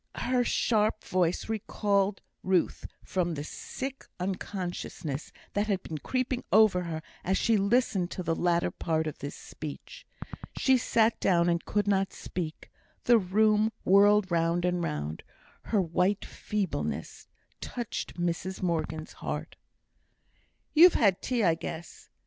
Her sharp voice recalled Ruth from the sick unconsciousness that had been creeping over her as she listened to the latter part of this speech. She sat down and could not speak the room whirled round and round her white feebleness touched Mrs Morgan's heart. "You've had no tea, I guess.